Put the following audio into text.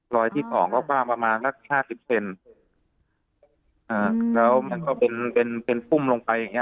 ที่สองก็กว้างประมาณสักห้าสิบเซนอ่าแล้วมันก็เป็นเป็นเป็นพุ่มลงไปอย่างเง